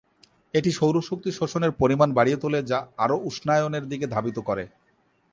এটি সৌরশক্তি শোষণের পরিমাণ বাড়িয়ে তোলে যা আরো উষ্ণায়নের দিকে ধাবিত করে।